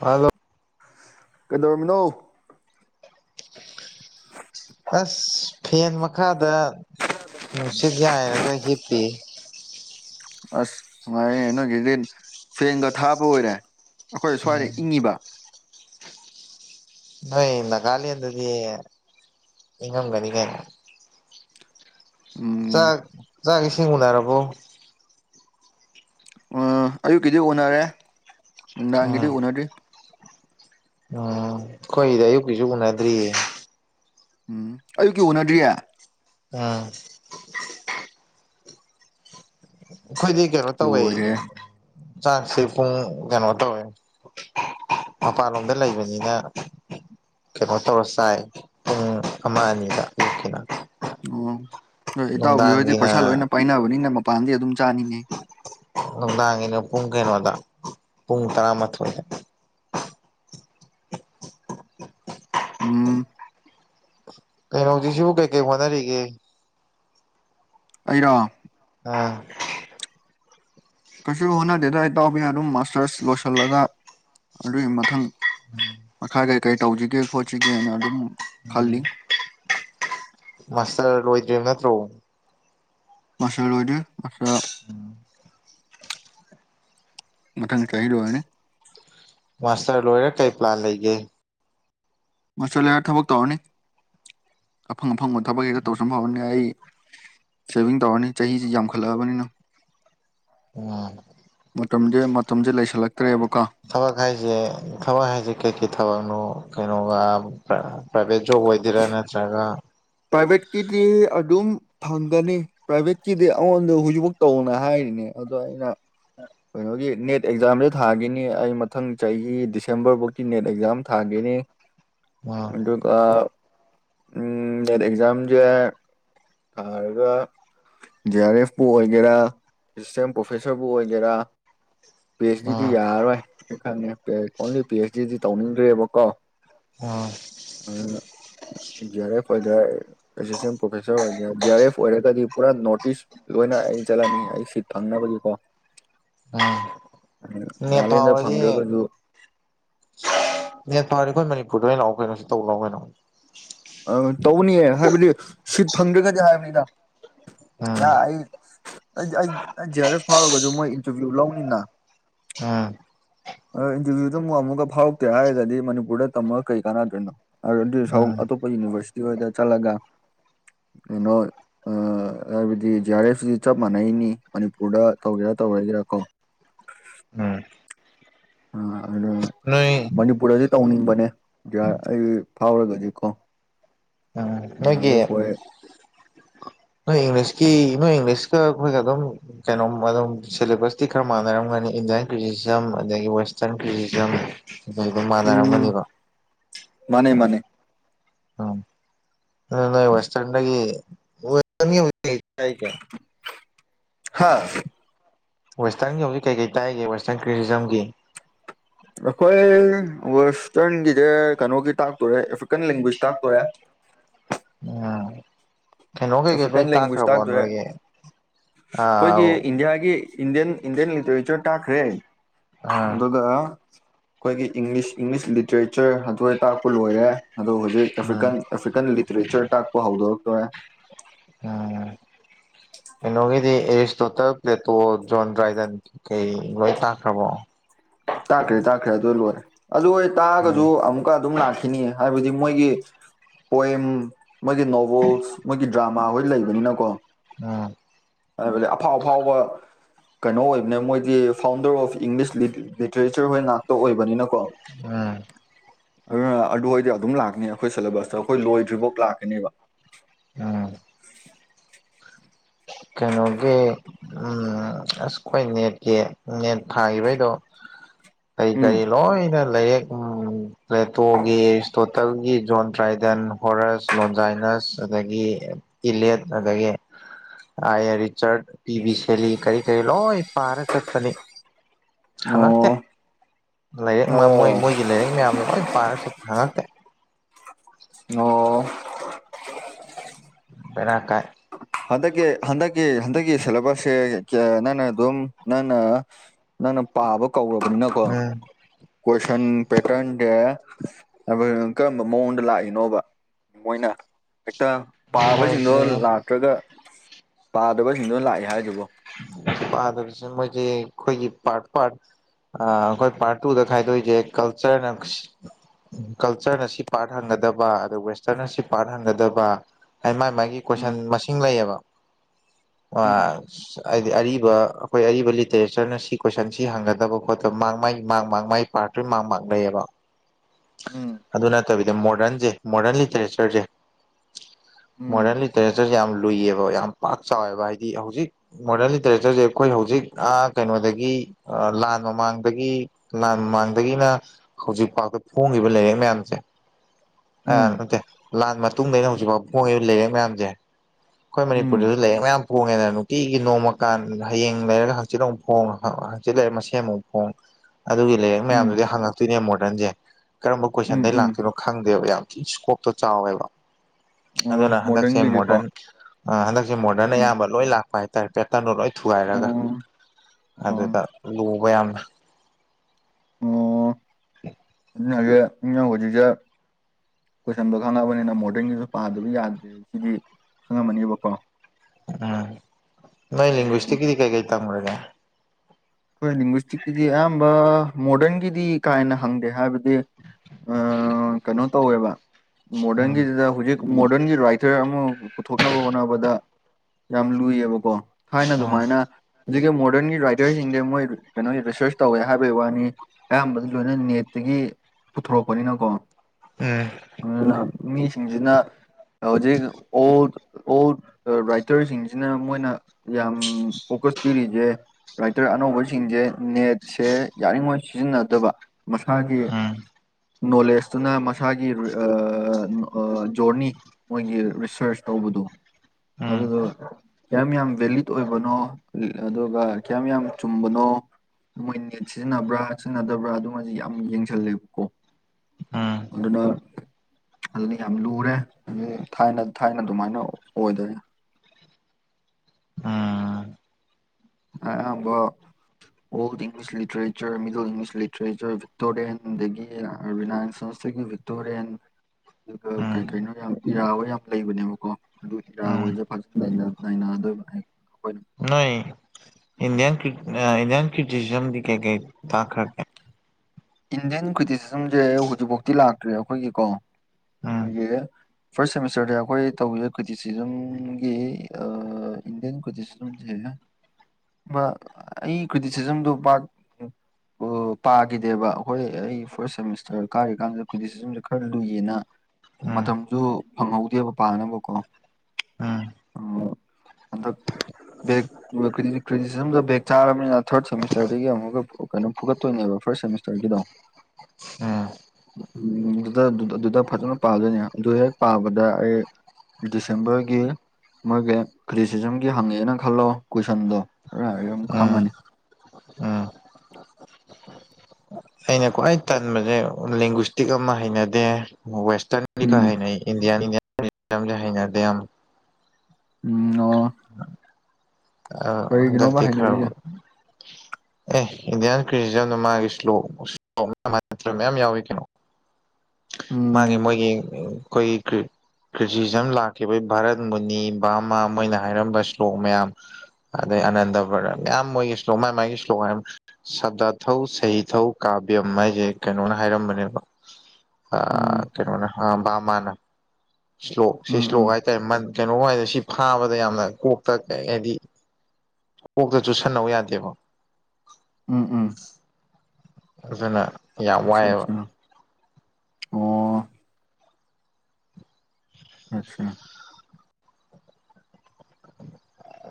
Hello. ꯀꯩꯗꯧꫪꯝꯃꯤꯅꯣ꯫ ꯑꯁ ꯐꯦꯟ ꯃꯈꯥꯗ ꯅꯨꯡꯁꯤꯠ ꯌꯥꯏꯔꯒ ꯍꯤꯞꯄꯤ꯫ ꯑꯁ ꯅꯨꯡꯉꯥꯏꯔꯦ ꯅꯣꯏꯒꯤꯗꯤ ꯐꯦꯟꯒ ꯊꯥꯕ ꯑꯣꯏꯔꯦ ꯑꯩꯈꯣꯏ ꯁ꯭ꯋꯥꯏꯗ ꯎꯝ ꯏꯪꯉꯤꯕ ꯅꯣꯏ ꯅꯥꯒꯥꯂꯦꯟꯗꯗꯤ ꯏꯪꯉꯝꯒꯅꯤꯅꯦ ꯎꯝ ꯆꯥꯛ ꯆꯥꯛ ꯏꯁꯤꯡ ꯎꯟꯅꯔꯕꯣ ꯑꯥ ꯑꯌꯨꯛꯀꯤꯗꯤ ꯎꯅꯔꯦ ꯅꯨꯡꯗꯥꯡꯒꯤꯗꯤ ꯎꯅꯗ꯭ꯔꯤ ꯑꯣ ꯑꯩꯈꯣꯏꯒꯤꯗꯤ ꯑꯌꯨꯛꯀꯤꯁꯨ ꯎꯅꯗ꯭ꯔꯤꯌꯦ ꯎꯝ ꯑꯌꯨꯛꯀꯤ ꯎꯅꯗ꯭ꯔꯤꯌꯦ ꯑꯥ ꯑꯩꯈꯣꯏꯗꯤ ꯀꯩꯅꯣ ꯇꯧꯋꯦ ꯂꯣꯏꯔꯦ ꯆꯥꯛꯁꯦ ꯄꯨꯡ ꯀꯩꯅꯣ ꯇꯧꯋꯦ ꯃꯄꯥꯟꯂꯝꯗ ꯂꯩꯕꯅꯤꯅ ꯀꯩꯅꯣ ꯇꯧꯔ ꯆꯥꯏ ꯄꯨꯡ ꯑꯃ ꯑꯅꯤꯗ ꯑꯌꯨꯛꯀꯤꯅ ꯑꯣ ꯍꯣꯏ ꯏꯇꯥꯎꯕꯤꯍꯣꯏꯗꯤ ꯅꯨꯡꯗꯥꯡꯒꯤꯅ ꯄꯩꯁꯥ ꯂꯣꯏꯅ ꯄꯥꯏꯅꯕꯅꯤꯅ ꯃꯄꯥꯟꯗꯤ ꯑꯗꯨꯝ ꯆꯥꯅꯤꯅꯦ ꯅꯨꯡꯗꯥꯡꯒꯤꯅꯥ ꯄꯨꯡ ꯀꯩꯅꯣꯗ ꯄꯨꯡ ꯇꯔꯥꯃꯥꯊꯣꯏꯗ ꯎꯨꯝ ꯀꯩꯅꯣ ꯍꯧꯖꯤꯛꯁꯤꯕꯨ ꯀꯩꯀꯩ ꯍꯣꯠꯅꯔꯤꯒꯦ ꯑꯩꯔꯣ ꯑꯥ ꯀꯩꯁꯨ ꯍꯣꯠꯅꯗꯦ ꯏꯇꯥꯎꯕꯤ ꯑꯗꯨꯝ ꯃꯥꯁꯇꯔꯁ ꯂꯣꯏꯁꯤꯜꯂꯒ ꯑꯗꯨꯒꯤ ꯃꯊꯪ ꯃꯈꯥ ꯀꯔꯤ ꯀꯔꯤ ꯇꯧꯁꯤꯒꯦ ꯈꯣꯠꯁꯤꯒꯦꯅ ꯑꯗꯨꯝ ꯈꯜꯂꯤ ꯃꯥꯁꯇꯔ ꯂꯣꯏꯗ꯭ꯔꯤꯝ ꯅꯠꯇ꯭ꯔꯣ ꯃꯥꯁꯇꯔ ꯂꯣꯏꯗ꯭ꯔꯤ ꯃꯥꯁꯇꯔ ꯃꯊꯪ ꯆꯥꯍꯤ ꯂꯣꯏꯔꯅꯤ ꯃꯥꯁꯇꯔ ꯂꯣꯏꯔ ꯀꯔꯤ ꯄ꯭ꯂꯥꯟ ꯂꯩꯒꯦ ꯃꯥꯁꯇꯔ ꯂꯩꯔ ꯊꯕꯛ ꯇꯧꯔꯅꯤ ꯑꯐꯪ ꯑꯐꯪꯕ ꯊꯕꯛ ꯍꯦꯛꯇ ꯇꯧꯁꯤꯟꯕ ꯍꯧꯔꯅꯤ ꯑꯩ ꯁꯦꯚꯤꯡ ꯇꯧꯔꯅꯤ ꯆꯥꯍꯤꯁꯤ ꯌꯥꯝꯈꯠꯂꯛꯑꯕꯅꯤꯅ ꯎꯨꯝ ꯃꯇꯝꯁꯦ ꯃꯇꯝꯁꯦ ꯂꯩꯁꯤꯜꯂꯛꯇ꯭ꯔꯦꯕꯀꯣ ꯊꯕꯛ ꯍꯥꯏꯁꯦ ꯊꯕꯛ ꯍꯥꯏꯁꯦ ꯀꯩ ꯀꯩ ꯊꯕꯛꯅꯣ ꯀꯩꯅꯣꯒ ꯎꯝ ꯄ꯭ꯔꯥꯏꯕꯦꯠ ꯖꯣꯕ ꯑꯣꯏꯗꯣꯏꯔꯥ ꯅꯠꯇ꯭ꯔꯒ ꯄ꯭ꯔꯥꯏꯚꯦꯠꯀꯤꯗꯤ ꯑꯗꯨꯝ ꯐꯪꯒꯅꯤ ꯄ꯭ꯔꯥꯏꯚꯦꯠꯀꯤꯗꯤ ꯑꯩꯉꯣꯟꯗ ꯍꯧꯖꯤꯛꯐꯥꯎ ꯇꯧꯋꯣꯅ ꯍꯥꯏꯔꯤꯅꯤ ꯑꯗꯣ ꯑꯩꯅ ꯀꯩꯅꯣꯒꯤ ꯅꯦꯠ ꯑꯦꯛꯖꯥꯝꯁꯦ ꯊꯥꯒꯤꯅꯤ ꯑꯩ ꯃꯊꯪ ꯆꯍꯤꯒꯤ ꯗꯤꯁꯦꯝꯕꯔꯐꯧꯗꯤ ꯅꯦꯠ ꯑꯦꯛꯖꯥꯝ ꯊꯥꯒꯤꯅꯤ ꯎꯝ ꯑꯗꯨꯒ ꯎꯨꯝ ꯅꯦꯠ ꯑꯦꯛꯖꯥꯝꯁꯦ ꯊꯥꯔꯒ ꯖꯤ ꯑꯥꯔ ꯑꯦꯐꯄꯨ ꯑꯣꯏꯒꯦꯔꯥ ꯑꯦꯁꯤꯁꯇꯦꯟ ꯄ꯭ꯔꯣꯐꯦꯁꯔꯕꯨ ꯑꯣꯏꯒꯦꯔꯥ ꯄꯦꯁ ꯗꯤꯗꯤ ꯎꯝ ꯌꯥꯔꯔꯣꯏ ꯑꯩ ꯈꯡꯉꯦ ꯑꯣꯟꯂꯤ ꯄꯤ ꯑꯩꯆ ꯗꯤꯗꯤ ꯇꯧꯅꯤꯡꯗ꯭ꯔꯦꯕꯀꯣ ꯎꯝ ꯑꯗꯨꯅ ꯖꯤ ꯑꯥꯔ ꯑꯦꯐ ꯑꯣꯏꯗꯣꯏ ꯑꯦꯁꯤꯁꯇꯦꯟ ꯄ꯭ꯔꯣꯐꯦꯁꯔ ꯑꯣꯏꯕ ꯌꯥꯏ ꯖꯤ ꯑꯥꯔ ꯑꯦꯐ ꯑꯣꯏꯔꯒꯗꯤ ꯄꯨꯔꯥ ꯅꯣꯔꯇ ꯏꯤꯁ ꯂꯣꯏꯅ ꯑꯩ ꯆꯠꯂꯅꯤ ꯑꯩ ꯁꯤꯠ ꯐꯪꯅꯕꯒꯤꯀꯣ ꯎꯝ ꯑꯩꯅ ꯅꯦꯠ ꯅꯥꯥꯒꯥꯂꯦꯟꯗ ꯐꯥꯎꯔꯗꯤ ꯐꯪꯗ꯭ꯔꯒꯁꯨ ꯅꯦꯠ ꯐꯥꯎꯔꯗꯤ ꯑꯩꯈꯣꯏ ꯃꯅꯤꯄꯨꯔꯗ ꯑꯣꯏꯅ ꯂꯥꯛꯑꯣ ꯀꯩꯅꯣ ꯁꯤ ꯇꯧ ꯂꯥꯛꯑꯣ ꯀꯩꯅꯣ ꯑ ꯇꯧꯅꯤꯌꯦ ꯍꯥꯏꯕꯗꯤ ꯁꯤꯠ ꯐꯪꯗ꯭ꯔꯒꯗꯤ ꯍꯥꯏꯕꯅꯤꯗ ꯅꯥ ꯎꯝ ꯑꯩ ꯑꯩ ꯑꯩ ꯑꯩ ꯖꯤ ꯑꯥꯔ ꯑꯦꯐ ꯐꯥꯎꯔꯒꯁꯨ ꯃꯣꯏ ꯏꯟꯇꯔꯚꯤꯌꯨ ꯂꯧꯅꯤꯅ ꯎꯝ ꯑꯗ ꯏꯟꯇꯔꯚꯤꯌꯨꯗꯨ ꯑꯃꯨꯛ ꯑꯃꯨꯛꯀ ꯐꯥꯎꯔꯛꯇꯦ ꯍꯥꯏꯔꯒꯗꯤ ꯃꯅꯤꯄꯨꯔꯗ ꯇꯝꯃꯒ ꯀꯩ ꯀꯥꯟꯅꯗꯣꯏꯅꯣ ꯑꯗꯨꯏ ꯁꯔꯨꯛ ꯎꯝ ꯑꯇꯣꯞꯄ ꯌꯨꯅꯤꯕꯔꯁꯤꯇꯤꯑꯣꯏꯗ ꯆꯠꯂꯒ ꯀꯩꯅꯣ ꯑꯥ ꯍꯥꯏꯕꯗꯤ ꯖꯤ ꯑꯥꯔ ꯑꯦꯐꯁꯤꯗꯤ ꯆꯞ ꯃꯥꯟꯅꯩꯅꯤ ꯃꯅꯤꯄꯨꯔꯗ ꯇꯧꯒꯦꯔꯥ ꯇꯧꯔꯣꯏꯒꯦꯔꯥ ꯀꯣ ꯎꯨꯝ ꯑꯥ ꯑꯗꯨꯅ ꯅꯣꯏ ꯃꯅꯤꯄꯨꯔꯗꯗꯤ ꯇꯧꯅꯤꯡꯕꯅꯦ ꯖꯤ ꯑꯥꯔ ꯑꯩ ꯐꯥꯎꯔꯒꯗꯤꯀꯣ ꯎꯝ ꯖꯤ ꯌꯥꯔ ꯅꯣꯏꯒꯤ ꯑꯦꯐ ꯑꯣꯏ ꯅꯣꯏ ꯏꯪꯂꯤꯁꯀꯤ ꯅꯣꯏ ꯏꯪꯂꯤꯁꯀ ꯑꯩꯈꯣꯏꯒ ꯑꯗꯨꯝ ꯀꯩꯅꯣꯝ ꯑꯗꯨꯝ ꯁꯤꯂꯦꯕꯁꯇꯤ ꯈꯔ ꯃꯥꯟꯅꯔꯝꯒꯅꯤ ꯏꯟꯗꯤꯌꯥꯟ ꯀ꯭ꯔꯤꯇꯤꯁꯤꯖꯝ ꯑꯗꯒꯤ ꯋꯦꯁꯇ꯭ꯔꯟ ꯀ꯭ꯔꯤꯇꯤꯁꯤꯖꯝ ꯁꯤꯗꯩꯗꯣ ꯃꯥꯟꯅꯔꯝꯒꯅꯤꯕ ꯃꯥꯅꯩ ꯃꯥꯅꯩ ꯑꯥ ꯑꯗꯣ ꯅꯣꯏ ꯋꯦꯁꯇ꯭ꯔꯟꯗꯒꯤ ꯋꯦ [inaudible] [inaudible] ꯍꯥ ꯋꯦꯁꯇꯔꯟꯒꯤ ꯍꯧꯖꯤꯛ ꯀꯩꯀꯩ ꯇꯥꯏꯒꯦ ꯋꯦꯁꯇꯔꯟ ꯀ꯭ꯔꯤꯇꯤꯖꯝꯒꯤ ꯑꯩꯈꯣꯏ ꯋꯦꯁꯇ꯭ꯔꯟꯒꯤꯁꯦ ꯀꯩꯅꯣꯒꯤ ꯇꯥꯛꯇꯣꯔꯦ ꯑꯦꯐ꯭ꯔꯤꯀꯥꯟ ꯂꯦꯡꯒ꯭ꯋꯦꯖ ꯇꯥꯛꯇꯣꯔꯦ ꯎꯝ ꯀꯩꯅꯣ ꯀꯩꯀꯩ ꯑꯐ꯭ꯔꯤꯀꯥꯟ ꯅꯣꯏ ꯂꯦꯡꯒ꯭ꯋꯦꯖ ꯇꯥꯛꯈ꯭ꯔꯕꯣ ꯇꯥꯛꯇꯣꯔꯦ ꯅꯣꯏꯒꯤ ꯑꯩꯈꯣꯏꯒꯤ ꯏꯟꯗꯤꯌꯥꯒꯤ ꯏꯟꯗꯤꯌꯟ ꯏꯟꯗꯤꯌꯟ ꯂ ꯂꯤꯇꯔꯦꯆꯔ ꯇꯥꯈꯔꯦ ꯑꯥ ꯑꯗꯣꯒ ꯑꯩꯈꯣꯏꯒꯤ ꯏꯪꯂꯤꯁ ꯏꯪꯂꯤꯁ ꯂꯤꯇꯔꯦꯆꯔ ꯑꯗꯨꯋꯥ ꯇꯥꯛꯄ ꯂꯣꯏꯔꯦ ꯑꯗꯣ ꯍꯧꯖꯤꯛ ꯎꯝ ꯑꯦꯐ꯭ꯔꯤꯀꯥꯟ ꯑꯦꯐ꯭ꯔꯤꯀꯥꯟ ꯂꯤꯇꯔꯦꯆꯔ ꯇꯥꯛꯄ ꯍꯧꯗꯣꯔꯛꯇꯣꯔꯦ ꯎꯝ ꯀꯩꯅꯣꯒꯤꯗꯤ ꯑꯦꯔꯤꯁꯇꯣꯇꯦꯜ ꯄ꯭ꯂꯦꯇꯣ ꯖꯣꯟ ꯗ꯭ꯔꯥꯏꯗꯟ ꯀꯩ ꯂꯣꯏ ꯇꯥꯛꯈ꯭ꯔꯕꯣ ꯇꯥꯛꯈ꯭ꯔꯦ ꯇꯥꯛꯈ꯭ꯔꯦ ꯑꯗꯨ ꯂꯣꯏꯔꯦ ꯑꯗꯨ ꯎꯝ ꯇꯥꯛꯑꯒꯁꯨ ꯑꯃꯨꯛꯀ ꯑꯗꯨꯝ ꯂꯥꯛꯈꯤꯅꯤ ꯍꯥꯏꯕꯗꯤ ꯃꯣꯏꯒꯤ ꯄꯣꯏꯦꯝ ꯃꯣꯏꯒꯤ ꯅꯣꯕꯦꯜꯁ ꯃꯣꯏꯒꯤ ꯗ꯭ꯔꯃꯥ ꯍꯣꯏ ꯂꯩꯕꯅꯤꯅꯀꯣ ꯎꯝ ꯍꯥꯏꯕꯗꯤ ꯑꯐꯥꯎ ꯑꯐꯥꯎꯕ ꯀꯩꯅꯣ ꯑꯣꯏꯕꯅꯦ ꯃꯣꯏꯗꯤ ꯐꯥꯎꯟꯗꯔ ꯑꯣꯐ ꯏꯪꯂꯤꯁ ꯂꯤ ꯂꯤꯇꯔꯦꯆꯔ ꯍꯣꯏ ꯉꯥꯛꯇ ꯑꯣꯏꯕꯅꯤꯅꯀꯣ ꯎꯝ ꯑꯗꯨꯅ ꯑꯗꯨ ꯑꯣꯏꯣꯏꯗꯤ ꯑꯗꯨꯝ ꯂꯥꯛꯀꯅꯤ ꯑꯩꯈꯣꯏ ꯁꯤꯦꯂꯦꯕꯁꯇ ꯑꯩꯈꯣꯏ ꯂꯣꯏꯗ꯭ꯔꯤꯐꯥꯎ ꯂꯥꯛꯀꯅꯦꯕ ꯎꯝ ꯀꯩꯅꯣꯒꯤ ꯑꯁ ꯑꯩꯈꯣꯏ ꯅꯦꯠꯀꯤ ꯅꯦꯠ ꯊꯥꯈꯤꯕꯩꯗꯣ [inaudible] ꯀ ꯀꯔꯤ ꯂꯣꯏꯅ ꯂꯔꯛ ꯂꯦꯇꯣꯒꯤ ꯇꯒꯤ ꯖꯣꯟ ꯗ꯭ꯔꯥꯏꯗꯟ ꯍꯣꯔꯁ ꯂꯣꯟꯖꯥꯏꯅꯁ ꯑꯗꯒꯤ ꯏꯂꯦꯠ ꯑꯗꯒꯤ ꯑ ꯔꯤꯆꯔꯠ ꯄꯤ ꯚꯕꯤ ꯁꯦꯂꯤ ꯀꯔꯤ ꯀꯔꯤ ꯂꯣꯏ ꯄꯥꯔ ꯆꯠꯄꯅꯤ ꯑꯣ ꯍꯪꯉꯛꯇꯦ ꯂꯥꯏꯔꯤꯛ ꯑꯣ ꯃꯣꯏ ꯃꯣꯏꯒꯤ ꯂꯥꯏꯔꯤꯛ ꯃꯌꯥꯝꯗꯣ ꯂꯣꯏ ꯄꯥꯅ ꯆꯠꯇ ꯍꯪꯉꯛꯇꯦ ꯑꯣ ꯔꯀꯥꯏ ꯍꯟꯗꯛꯀꯤ ꯍꯟꯗꯛꯀꯤ ꯍꯟꯗꯛꯀꯤ ꯁꯦꯂꯦꯕꯁꯁꯦ ꯅꯪꯅ ꯑꯗꯨꯝ ꯅꯪꯅ ꯅꯪꯅ ꯄꯥꯕ ꯀꯧꯔꯕꯅꯤ ꯅꯪ ꯎꯝ ꯀ꯭ꯋꯦꯁꯟ ꯄꯦꯇꯔꯟꯦ ꯍꯥꯏ ꯀꯔꯝꯕ ꯃꯑꯣꯡꯗ ꯂꯥꯛꯏꯅꯣꯕ ꯃꯣꯏꯅ ꯍꯦꯛꯇ ꯄꯥꯕꯁꯤꯡꯗꯣ ꯃꯣꯏꯁꯦ ꯂꯥꯛꯇ꯭ꯔꯒ ꯄꯥꯗꯕꯁꯤꯡꯗꯣ ꯂꯥꯛꯑꯦ ꯍꯥꯏꯗꯨꯕꯨ ꯄꯥꯗꯕꯁꯦ ꯃꯣꯏꯁꯦ ꯑꯩꯈꯣꯏꯒꯤ ꯄꯥꯔꯠ ꯄꯥꯔꯠ ꯑꯩꯈꯣꯏ ꯄꯥꯔꯠ ꯇꯨꯗ ꯈꯥꯏꯗꯣꯛꯏꯁꯦ ꯀꯜꯆꯔꯅ ꯀꯜꯆꯔꯅ ꯑꯁꯤ ꯄꯥꯔꯠ ꯍꯪꯒꯗꯕ ꯑ ꯋꯦꯁꯇꯔꯟ ꯑꯁꯤ ꯄꯥꯔꯠ ꯍꯟꯒꯗꯕ ꯍꯥꯏꯗꯤ ꯃꯥꯥꯏ ꯃꯥꯒꯤ ꯀꯣꯏꯁꯟ ꯎꯝ ꯃꯁꯤꯡ ꯂꯩꯌꯦꯕ ꯎꯝ ꯑ ꯍꯥꯏꯗꯤ ꯑꯔꯤꯕ ꯑꯩꯈꯣꯏ ꯑꯔꯤꯕ ꯂꯤꯇꯔꯦꯆꯔꯅ ꯁꯤ ꯀꯣꯏꯁꯟ ꯁꯤ ꯍꯪꯒꯗꯕ ꯈꯣꯠꯇꯕ ꯃꯥꯡ ꯃꯥꯏ ꯃꯥꯡ ꯃꯥꯡ ꯃꯥꯏ ꯄꯥꯔꯠꯨꯣꯏ ꯃꯥꯡ ꯃꯥꯡꯥꯛꯅꯩꯑꯕ [inaudible] ꯎꯝ ꯑꯗꯨ ꯅꯠꯇꯕꯤꯗ ꯃꯣꯗꯔꯟꯁꯦ ꯃꯣꯗꯔꯟ ꯂꯤꯇꯔꯦꯆꯔꯁꯦ ꯃꯣꯗꯔꯟ ꯂꯤꯇꯔꯦꯆꯔꯁꯦ ꯌꯥꯝ ꯂꯨꯏꯑꯕ ꯌꯥꯝ ꯄꯥꯛ ꯆꯥꯎꯋꯦꯕ ꯍꯥꯏꯗꯤ ꯍꯧꯖꯤꯛ ꯃꯣꯗꯔꯟ ꯂꯤꯇꯔꯦꯆꯔꯁꯦ ꯑꯩꯈꯣꯏ ꯍꯧꯖꯤꯛ ꯀꯩꯅꯣꯗꯒꯤ ꯂꯥꯟ ꯃꯃꯥꯡꯗꯒꯤ ꯂꯥꯟ ꯃꯥꯡꯗꯒꯤꯅ ꯍꯧꯖꯤꯛ ꯐꯥꯎꯇ ꯐꯣꯡꯉꯕ ꯂꯥꯏꯔꯤꯛ ꯃꯌꯥꯝꯁꯦ ꯑ ꯎꯝ ꯅꯠꯇꯦ ꯂꯥꯟ ꯃꯇꯨꯡꯗꯩꯅ ꯍꯧꯖꯤꯛꯐꯥꯎ ꯃꯨꯡ ꯂꯩꯔꯦ ꯃꯌꯥꯝꯁꯦ ꯑꯩꯈꯣꯏ ꯎꯝ ꯃꯅꯤꯄꯨꯔꯗꯁꯨ ꯂꯩꯌꯦꯦ ꯃꯌꯥꯝ ꯄꯣꯡꯉꯦꯗꯅ ꯎꯇꯤꯒꯤ ꯅꯣꯡꯃꯀꯥꯟ ꯍꯌꯦꯡ ꯂꯩꯔꯒ ꯍꯥꯡꯆꯤꯠ ꯑꯃꯨꯛ ꯐꯣꯡ ꯍꯥꯡꯆꯤꯠ ꯂꯩꯔꯒ ꯃꯁꯦꯟ ꯑꯃꯨꯛ ꯐꯣꯡ ꯑꯗꯨꯒꯤ ꯂꯥꯏꯔꯤꯛ ꯎꯝ ꯎꯝ ꯃꯌꯥꯝꯗꯨꯗꯤ ꯍꯪꯉꯛꯇꯣꯏꯅꯦ ꯃꯣꯗꯔꯟꯁꯦ ꯀꯔꯝꯕ ꯎꯝ ꯀꯣꯏꯁꯟꯗꯩ ꯎꯝ ꯂꯥꯛꯇꯣꯏꯅꯣ ꯈꯪꯗꯦꯕ ꯌꯥꯝ ꯊꯤꯅ ꯏꯁꯀꯣꯞꯇꯣ ꯆꯥꯎꯋꯦꯕ ꯑꯣ ꯑꯗꯨꯅ ꯍꯟꯗꯛꯁꯦ ꯃꯣꯗꯔꯟꯒꯤꯗꯤꯀꯣ ꯃꯣꯗꯔꯟ ꯍꯟꯗꯛꯁꯦ ꯃꯣꯗꯔꯟ ꯎꯝ ꯑꯌꯥꯝꯕ ꯂꯣꯏ ꯂꯥꯛꯄ ꯍꯥꯏꯇꯥꯔꯦ ꯄꯦꯇꯔꯟꯗꯣ ꯂꯣꯏ ꯊꯨꯒꯥꯏꯔꯒ ꯎꯝ ꯑꯣ ꯑꯗꯨꯗ ꯂꯨꯕ ꯌꯥꯝꯅ ꯑꯣ [inaudible] [unintelligible] ꯀꯣꯏꯁꯟꯗꯣ ꯈꯪꯉꯛꯑꯕꯅꯤꯅ ꯃꯣꯗꯔꯟꯒꯤꯁꯨ ꯄꯥꯗꯕ ꯌꯥꯗ꯭ꯔꯦ ꯁꯤꯗꯤ ꯈꯪꯉꯝꯃꯅꯦꯕꯀꯣ ꯎꯝ ꯅꯣꯏ ꯎꯝ ꯂꯦꯡꯒꯣꯁꯇꯤꯛꯀꯤꯗꯤ ꯀꯩ ꯀꯩ ꯇꯥꯝꯒꯔꯒꯦ ꯑꯩꯈꯣꯏ ꯂꯤꯡꯒ꯭ꯁꯇꯤꯛꯀꯤꯗꯤ ꯑꯌꯥꯝꯕ ꯃꯣꯗꯔꯟꯒꯤꯗꯤ ꯀꯥ ꯍꯦꯟꯅ ꯍꯪꯗꯦ ꯍꯥꯏꯕ ꯑ ꯀꯩꯅꯣ ꯇꯧꯋꯦꯕ ꯎꯝ ꯃꯣꯗꯔꯟꯒꯤꯗꯨꯗ ꯍꯧꯖꯤꯛ ꯃꯣꯗꯔꯟꯒꯤ ꯔꯥꯏꯇꯔ ꯑꯃ ꯄꯨꯊꯣꯛꯅꯕ ꯍꯣꯠꯅꯕꯗ ꯌꯥꯝ ꯂꯨꯏꯌꯦꯕꯀꯣ ꯊꯥꯏꯅ ꯑꯗꯨꯃꯥꯏꯅ ꯍꯧꯖꯤꯛꯀꯤ ꯃꯣꯗꯔꯟꯒꯤ ꯔꯥꯏꯇꯔꯁꯤꯡ ꯈꯪꯗꯦ ꯃꯣꯏ ꯀꯩꯅꯣꯒꯤ ꯔꯤꯁꯔꯁ ꯇꯧꯋꯦ ꯍꯥꯏꯕꯒꯤ ꯋꯥꯅꯤ ꯑꯌꯥꯝꯕꯗꯤ ꯂꯣꯏꯅ ꯅꯦꯠꯇꯒꯤ ꯄꯨꯊꯣꯔꯛꯄꯅꯤꯅꯀꯣ ꯎꯝ ꯑꯗꯨꯅ ꯃꯤꯁꯤꯡꯁꯤꯅ ꯍꯧꯖꯤꯛ ꯑꯣ ꯑꯣꯜ ꯔꯥꯏꯇꯔꯁꯤꯡꯁꯤꯅ ꯃꯣꯏꯅ ꯌꯥꯝ ꯐꯣꯀꯁ ꯄꯤꯔꯤꯁꯦ ꯔꯥꯏꯇ꯭ꯔ ꯑꯅꯧꯕꯁꯤꯡꯁꯦ ꯅꯦꯠꯁꯦ ꯌꯥꯔꯤꯉꯣꯏ ꯁꯤꯖꯤꯟꯅꯗꯕ ꯃꯁꯥꯒꯤ ꯎꯝ ꯅꯣꯂꯦꯖꯇꯨꯅ ꯃꯁꯥꯒꯤ ꯑ ꯑ ꯖꯣꯔꯅꯤ ꯃꯣꯏꯒꯤ ꯔꯤꯁꯔꯁ ꯇꯧꯕꯗꯨꯣ ꯎꯝ ꯑꯗꯨꯗꯣ ꯀꯌꯥꯝ ꯌꯥꯝ ꯚꯦꯂꯤꯠ ꯑꯣꯏꯕꯅꯣ ꯑꯗꯨꯒ ꯀꯌꯥꯝ ꯌꯥꯝ ꯆꯨꯝꯕꯅꯣ ꯃꯣꯏ ꯅꯦꯠ ꯁꯤꯖꯤꯟꯅꯕ꯭ꯔꯥ ꯁꯤꯖꯤꯟꯅꯗꯕ꯭ꯔꯥ ꯑꯗꯨꯝꯕꯁꯤ ꯌꯥꯝ ꯌꯦꯡꯁꯜꯂꯦꯕꯀꯣ ꯎꯝ ꯑꯗꯨꯅ ꯑꯗꯨꯅ ꯌꯥꯝ ꯂꯨꯔꯦ ꯊꯥꯏꯅ ꯊꯥꯏꯅ ꯑꯗꯨꯃꯥꯏꯅ ꯑꯣꯏꯗꯔꯦ ꯎꯝ ꯎꯝ ꯑ ꯑꯌꯥꯝꯕ all English literature middle English literature Victorian ꯑꯗꯒꯤ ꯔꯤꯅꯥꯏꯟꯁꯇꯒꯤ ꯇꯨꯔꯦꯟ ꯑꯗꯨꯒ ꯎꯝ ꯀꯩ ꯀꯩꯅꯣ ꯌꯥꯝ ꯏꯔꯥꯕ ꯌꯥꯝ ꯂꯩꯕꯅꯦꯕꯀꯣ ꯑꯗꯨ ꯏꯔꯥ ꯎꯝ ꯍꯣꯏꯁꯦ ꯐꯖꯟ ꯅꯩꯅ-ꯅꯩꯅꯗꯣꯏꯕ ꯑꯩꯈꯣꯏꯅ ꯅꯣꯏ ꯏꯟꯗꯤꯌꯥꯟ ꯀꯔꯤ ꯑ ꯏꯟꯗꯤꯌꯟ ꯀ꯭ꯔꯤꯇꯤꯖꯝꯗꯤ ꯀꯩ ꯀꯩ ꯇꯥꯛꯈꯔꯒꯦ ꯏꯟꯗꯤꯌꯥꯟ ꯀ꯭ꯔꯤꯇꯤꯁꯤꯖꯝꯁꯦ ꯍꯧꯖꯤꯛꯐꯥꯎꯇꯤ ꯂꯥꯛꯇ꯭ꯔꯤ ꯑꯩꯈꯣꯏꯒꯤꯀꯣ ꯎꯝ ꯑꯩꯈꯣꯏꯒꯤ ꯐꯥꯔꯁ ꯁꯦꯃꯤꯁꯇꯔꯗ ꯑꯩꯈꯣꯏ ꯇꯧꯒꯤꯕ ꯀꯨꯇꯤꯁꯤꯖꯝꯒꯤ ꯑ ꯏꯟꯗꯤꯌꯟ ꯀꯔꯇꯤꯁꯤ ꯖꯝꯁꯦ ꯑꯃ ꯑꯩ ꯀ꯭ꯔꯤꯇꯤꯁꯤꯖꯝꯗꯨꯣ ꯄ-ꯄꯥꯈꯤ ꯗꯦꯕ ꯑꯩꯈꯣꯏ ꯑꯩ ꯐꯥꯔꯁ ꯁꯦꯃꯤꯁꯇꯔ ꯀꯥꯔꯤꯀꯥꯟꯗ ꯀꯔꯤꯇꯤꯁꯤꯖꯝꯁꯦ ꯈꯔ ꯂꯨꯏꯌꯦꯅ ꯎꯝ ꯃꯇꯝꯁꯨ ꯐꯪꯍꯧꯗꯦꯕ ꯄꯥꯅꯕꯀꯣ ꯎꯝ ꯑꯣ ꯍꯟꯗꯛ ꯕꯦꯔꯤ ꯗꯨꯒ ꯀꯔ꯭ꯤꯇꯤ ꯀ꯭ꯔꯤꯇꯤꯁꯤꯖꯝꯗ ꯕꯦꯛ ꯆꯥꯔꯕꯅꯤꯅ ꯊꯥꯔꯠ ꯁꯦꯃꯤꯁꯇꯔꯗꯒꯤ ꯑꯃꯨꯛꯀ ꯀꯩꯅꯣ ꯐꯨꯒꯠꯇꯣꯏꯅꯦꯕ ꯐꯥꯔꯁ ꯁꯦꯃꯤ ꯆꯔꯒꯤꯗꯣ ꯎꯝ ꯎꯝ ꯑꯗꯨꯗ ꯑꯗꯨꯗ ꯐꯖꯅ ꯄꯥꯗꯣꯏꯅꯦ ꯑꯗꯨ ꯍꯦꯛ ꯄꯥꯕꯗ ꯑꯩ ꯗꯤꯁꯦꯝꯕꯔꯒꯤ ꯃꯣꯏꯒꯤ ꯀ꯭ꯔꯤꯇꯤꯁꯤꯖꯝꯒꯤ ꯍꯪꯉꯦꯅ ꯈꯜꯂꯣ ꯀꯣꯏꯁꯟꯗꯣ ꯑꯩ ꯑꯗꯨꯝ ꯎꯝ ꯈꯪꯉꯅꯤ ꯎꯝ ꯑꯩꯅ ꯈ꯭ꯋꯥꯏ ꯇꯟꯕꯁꯦ ꯂꯦꯡꯒ꯭ꯁꯇꯤꯛ ꯑꯃ ꯍꯩꯅꯗꯦ ꯋꯦꯁꯇꯔꯟ ꯒꯤ ꯈꯔ ꯎꯝ ꯍꯩꯅꯩ ꯏꯟꯗꯤꯌꯥꯟ ꯏꯟꯗꯤꯌꯥꯟ [unintelligible] ꯍꯩꯅꯗꯦ ꯌꯥꯝ ꯎꯝ ꯑꯣ ꯑꯣ ꯀꯔꯤꯒꯤꯅꯣꯕ ꯍꯟꯗꯛꯇꯤ ꯈꯔ ꯍꯥꯏꯅꯔꯤꯁꯦ ꯑꯦ ꯏꯟꯗꯤꯌꯥꯟ ꯀ꯭ꯔꯤꯇꯤꯖꯝꯗ ꯃꯥꯒꯤ [unintelligible] ꯃꯌꯥꯝ ꯌꯥꯎꯏ ꯀꯩꯅꯣ ꯃꯥꯅꯤ ꯎꯝ ꯃꯣꯏꯒꯤ ꯑꯩꯈꯣꯏꯒꯤ ꯀꯔꯤ ꯀ꯭ꯔꯤꯇꯤꯖꯝ ꯂꯥꯛꯈꯤꯕꯒꯤ ꯚꯥꯔꯠ ꯃꯨꯅꯤ ꯕꯥꯃꯥ ꯃꯣꯏꯅ ꯍꯥꯏꯔꯝꯕ ꯏꯁ꯭ꯂꯣꯛ ꯃꯌꯥꯝ ꯑꯗꯩ ꯑꯅꯟꯗꯕꯔ ꯃꯌꯥꯝ ꯃꯣꯏꯒꯤ ꯏꯁ꯭ꯂꯣꯛ ꯃꯥꯏ ꯃꯥꯏꯒꯤ ꯏꯁ꯭ꯂꯣꯛ ꯃꯌꯥꯝ ꯁꯗꯥꯊꯧ ꯁꯍꯤꯊꯧ ꯀꯥꯕ꯭ꯌꯝ ꯍꯥꯏꯁꯦ ꯀꯩꯅꯣꯅ ꯍꯥꯏꯔꯝꯕꯅꯦꯕ ꯑ ꯎꯝ ꯀꯩꯅꯣꯅ ꯑꯥ ꯑꯚꯃꯅ ꯏꯁ꯭ꯂꯣꯛ ꯁꯤ ꯎꯝ ꯏꯁ꯭ꯂꯣꯛ ꯎꯝ ꯍꯥꯏꯇꯥꯔꯦ ꯀꯩꯅꯣ ꯍꯥꯏ ꯁꯤ ꯐꯥꯕꯗ ꯌꯥꯝꯅ ꯀꯣꯛꯇ ꯍꯥꯏꯗꯤ ꯀꯣꯛꯇ ꯆꯨꯁꯟꯅꯧ ꯌꯥꯗꯦꯕ ꯎꯝ ꯎꯝ ꯑꯗꯨꯅ ꯌꯥꯝ ꯑꯆꯥ ꯋꯥꯏꯑꯦꯕ ꯑꯆꯥ ꯑꯣ ꯑꯆꯥ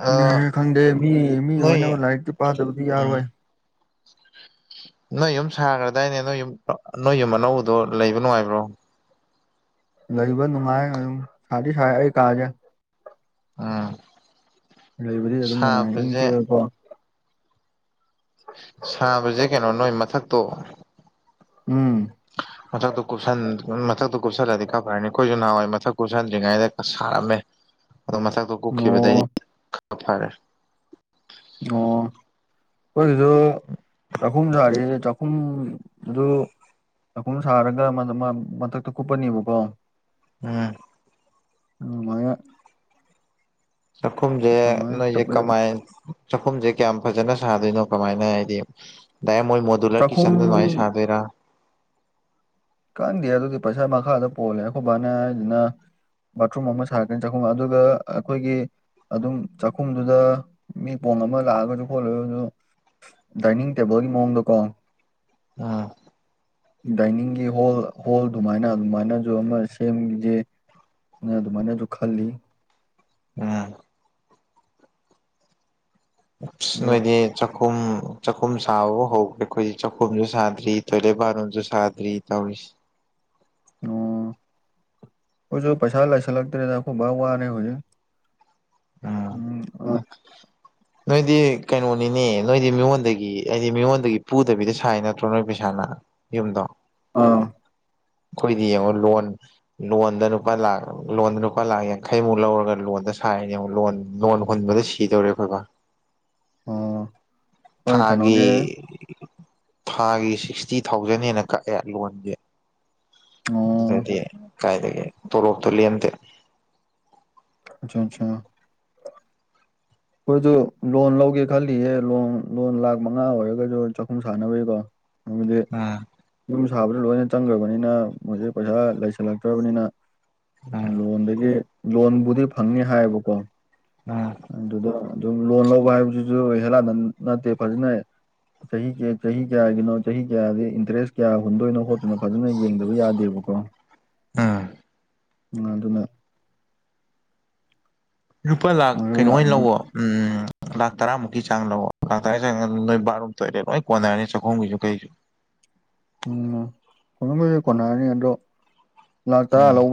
ꯈꯪꯗꯦ ꯈꯪꯗꯦ ꯃꯤ ꯃꯤ ꯅꯣꯏ ꯑꯣꯏꯅꯕ ꯂꯥꯏꯔꯤꯛꯇꯤ ꯄꯥꯗꯕꯗꯤ ꯎꯝ ꯌꯥꯔꯣꯏ ꯅꯣꯏ ꯌꯨꯝ ꯁꯥꯈ꯭ꯔꯗꯥꯏꯅꯦ ꯅꯣꯏ ꯌꯨꯝ ꯅꯣꯏ ꯌꯨꯝ ꯑꯅꯧꯕꯗꯣ ꯂꯩꯕ ꯅꯨꯡꯉꯥꯏꯕ꯭ꯔꯣ ꯂꯩꯕ ꯅꯨꯡꯉꯥꯏ ꯑꯗꯨꯝ ꯁꯥꯗꯤ ꯁꯥꯏ ꯑꯩ ꯀꯥꯁꯦ ꯎꯝ ꯂꯩꯕꯗꯤ ꯑꯗꯨꯝ ꯅꯨꯡꯉꯥꯏ ꯁꯥꯕꯁꯦ ꯏꯪꯆꯤꯛꯑꯒꯀꯣ ꯁꯥꯕꯁꯦ ꯀꯩꯅꯣ ꯅꯣꯏ ꯃꯊꯛꯇꯣ ꯎꯝ ꯃꯊꯛꯇꯣ ꯀꯨꯞꯁꯟ ꯃꯊꯛꯇꯣ ꯀꯨꯞꯁꯜꯂꯗꯤ ꯈꯔ ꯐꯔꯅꯤ ꯑꯩꯈꯣꯏꯁꯨ ꯅꯍꯥꯟꯋꯥꯏ ꯃꯊꯛ ꯀꯨꯞꯁꯟꯗ꯭ꯔꯤꯉꯩꯗ ꯁꯥꯔꯝꯃꯦ ꯑꯗꯣ ꯃꯊꯛꯇꯣ ꯀꯨꯞꯈꯤꯕꯗꯩꯗꯤ ꯑꯣ ꯈꯔ ꯐꯔꯦ ꯑꯣ ꯈꯣꯏꯁꯤꯁꯨ ꯆꯥꯛꯈꯨꯝ ꯁꯥꯔꯤ ꯆꯥꯛꯈꯨꯝꯗꯨ ꯆꯥꯛꯈꯨꯝ ꯁꯥꯔꯒ ꯃ ꯃꯊꯛꯇ ꯀꯨꯞꯄꯅꯦꯕꯀꯣ ꯎꯝ ꯑꯗꯨ ꯃꯥꯏꯅ ꯆꯥꯛꯈꯨꯝꯖꯦ ꯑꯗꯨꯃꯥꯏꯅ ꯅꯣꯏꯖꯦ ꯀꯃꯥꯏ ꯆꯥꯛꯈꯨꯝꯁꯦ ꯀꯌꯥꯝ ꯐꯖꯅ ꯁꯥꯗꯣꯏꯅꯣ ꯀꯃꯥꯏꯅ ꯍꯥꯏꯗꯤ ꯗꯥꯏꯔꯦꯛ ꯃꯣꯏ ꯨꯗꯨꯂꯔ ꯆꯥꯛꯈꯨꯝ ꯀꯤꯆꯟꯗꯣ ꯗꯨꯃꯥꯏꯅ ꯁꯥꯗ‌ꯣꯏꯔꯥ ꯈꯪꯗꯦ ꯑꯗꯨꯗꯤ ꯄꯩꯁꯥ ꯃꯈꯥꯗ ꯄꯣꯜꯂꯦ ꯑꯩꯈꯣꯏ‌ ꯕꯥꯅ ꯍꯥꯏꯁꯤꯅ ꯕꯥꯠꯔꯨꯝ ꯑꯃ ꯁꯥꯔꯛꯀꯅꯤ ꯆꯥꯛꯈꯨꯝ ꯑꯗꯨꯒ ꯑꯩꯈꯣꯏꯒꯤ ꯑꯗꯨꯝ ꯆꯥꯛꯈꯨꯝꯗꯨꯗ ꯃꯤ ꯄꯣꯡ ꯑꯃ ꯂꯥꯛꯑꯒꯁꯨ ꯈꯣꯠꯂꯒꯁꯨ ꯗꯥꯏꯅꯤꯡ ꯇꯦꯕꯜꯒꯤ ꯃꯑꯣꯡꯗ ꯀꯣ ꯑꯥ ꯗꯥꯏꯅꯤꯡꯒꯤ ꯍꯣꯜ ꯍꯣꯜ ꯑꯗꯨꯃꯥꯏꯅ ꯑꯗꯨꯃꯥꯏꯅꯁꯨ ꯑꯃ ꯁꯦꯝꯁꯦꯅ ꯑꯗꯨꯃꯥꯏꯅꯁꯨ ꯈꯜꯂꯤ ꯑꯥ ꯎꯞ ꯑꯗꯣ ꯅꯣꯏꯗꯤ ꯆꯥꯛꯈꯨꯝ ꯆꯥꯛꯈꯨꯝ ꯁꯥꯕꯕꯨ ꯍꯧ꯭ꯈꯔꯦ ꯑꯩꯈꯣꯏꯗꯤ ꯆꯥꯛꯈꯨꯝꯁꯨ ꯁꯥꯗ꯭ꯔꯤ ꯇꯣꯏꯂꯦꯠ ꯕꯥꯠꯔꯨꯝꯁꯨ ꯁꯥꯗ꯭ꯔꯤ ꯇꯧꯔꯤꯁꯦ ꯑꯣ ꯑꯩꯈꯣꯏꯁꯨ ꯄꯩꯁꯥ ꯂꯩꯁꯜꯂꯛꯇꯦꯗ ꯑꯩꯈꯣꯏꯕ ꯋꯥꯔꯦ ꯍꯧꯖꯤꯛ ꯎꯝ ꯅꯣꯏꯗꯤ ꯀꯩꯅꯣꯅꯤꯅꯦ ꯅꯣꯏꯗꯤ ꯃꯤꯉꯣꯟꯗꯒꯤ ꯍꯥꯏꯗꯤ ꯃꯤꯉꯣꯟꯗꯒꯤ ꯄꯨꯗꯕꯤꯗ ꯁꯥꯏ ꯅꯠꯇ꯭ꯔꯣ ꯅꯣꯏ ꯄꯩꯁꯥꯅ ꯌꯨꯝꯗꯣ ꯑꯥ ꯑꯩꯈꯣꯏꯗꯤ ꯌꯦꯡꯉꯣ ꯂꯣꯟ ꯂꯣꯟꯗ ꯂꯨꯄꯥ ꯂꯥꯛ ꯂꯣꯟꯗ ꯂꯨꯄꯥ ꯂꯥꯛ ꯌꯥꯡꯈꯩꯃꯨꯛ ꯂꯧꯔꯒ ꯂꯣꯟꯗ ꯁꯥꯏꯅ‌ꯦ ꯌ‌ꯦꯡꯉ‌ꯣ ꯂꯣꯟ ꯂꯣꯟ ꯍꯨꯟꯕꯗ ꯁꯤꯗꯧꯔꯦ ꯑꯩꯈꯣꯏ ꯕꯥ ꯑꯣ ꯍꯣꯏ ꯊꯥꯒꯤ ꯀꯩꯅꯣꯒꯤ ꯊꯥꯒꯤ ꯁꯤꯛꯁꯇꯤ ꯊꯥꯎꯖꯟ ꯍ‌ꯦꯟꯅ ꯀꯛꯑꯦ ꯂꯣꯟꯒꯤ ꯑꯣ ꯑꯗꯨꯅꯗꯤ ꯀꯥꯏꯗꯒꯤ ꯇꯣꯂꯣꯞꯇꯣ ꯂꯦꯝꯗꯦ ꯑꯆꯥ ꯑꯆꯥ ꯑꯩꯈꯣꯏꯁꯨ ꯂꯣꯟ ꯂꯧꯒꯦ ꯈꯜꯂꯤꯍꯦ ꯂꯣꯟ ꯂꯣꯟ ꯂꯥꯛ ꯃꯉꯥ ꯑꯣꯏꯔꯒꯁꯨ ꯆꯥꯛꯈꯨꯝ ꯁꯥꯟꯅꯕꯒꯤꯀꯣ ꯍꯥꯏꯕꯗꯤ ꯎꯝ ꯌꯨꯝ ꯁꯥꯕꯗ ꯂꯣꯏꯅ ꯆꯪꯈ꯭ꯔꯕꯅꯤꯅ ꯃꯣꯏꯁ ꯄꯩꯁꯥ ꯂꯩꯁꯜꯂꯛꯇ꯭ꯔꯕꯅꯤꯅ ꯎꯝ ꯂꯣꯟꯗꯒꯤ ꯂꯣꯟꯕꯨꯗꯤ ꯐꯪꯅꯤ ꯍꯥꯏꯌꯦꯕꯀꯣ ꯎꯝ ꯑꯗꯨꯗ ꯑꯗꯨꯝ ꯂꯣꯟ ꯂꯧꯕ ꯍꯥꯢꯕꯖꯤꯖꯨ ꯍꯦꯂꯥꯗ ꯅꯠꯇꯦ ꯐꯖꯅ ꯆꯍꯤ ꯀꯦ ꯆꯍꯤ ꯀꯌꯥꯒꯤꯅꯣ ꯆꯍꯤ ꯀꯌꯥꯗꯤ ꯏꯟꯇꯔꯦꯁ ꯀꯌꯥ ꯍꯨꯟꯗꯣꯢꯅꯣ ꯈꯣꯠ ꯇꯨꯅ ꯐꯖꯅ ꯌꯦꯡꯗꯕ ꯌꯥꯗꯦꯕꯀꯣ ꯑ ꯎꯝ ꯑꯗꯨꯅ ꯂꯨꯄꯥ ꯂꯥꯛ ꯀꯩꯅꯣ ꯑꯣꯔꯗꯔ ꯑꯣꯢꯅ ꯂꯥꯛꯑꯃ ꯂꯧꯋꯣ ꯎꯝ ꯂꯥꯛ ꯇꯔꯥꯃꯨꯛꯀꯤ ꯆꯥꯡ ꯂꯧꯋꯣ ꯂꯥꯛ ꯇꯔꯥ ꯆꯥꯡꯗ ꯅꯣꯢ ꯕꯥꯠꯔꯨꯝ ꯇꯣꯢꯂꯦꯠ ꯂꯣꯢ ꯀꯣꯟꯅꯔꯅꯤ ꯆꯥꯛꯈꯨꯝꯒꯤꯖꯨ ꯀꯩꯖꯨ꯫ ꯎꯝꯉ ꯀꯣꯟꯅꯕꯨꯗꯤ ꯀꯣꯟꯅꯔꯅꯤ ꯑꯗꯣ ꯂꯥꯛ ꯇꯔꯥ ꯎꯝ ꯂꯧꯕ